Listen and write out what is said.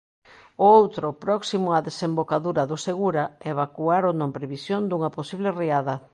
O outro, próximo á desembocadura do Segura, evacuárono en previsión dunha posible riada.